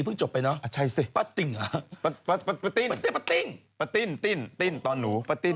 เพิ่งจบไปเนอะปะติ้งหรอปะติ้งปะติ้งปะติ้งปะติ้งตอนหนูปะติ้ง